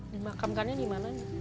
di makam kan di mana